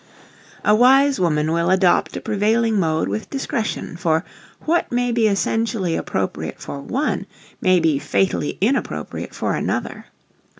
A wise woman will adopt a prevailing mode with discretion, for, what may be essentially appropriate for one, may be fatally inappropriate for another.